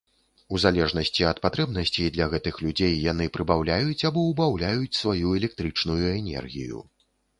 У залежнасці ад патрэбнасцей для гэтых людзей, яны прыбаўляюць або ўбаўляюць сваю электрычную энергію.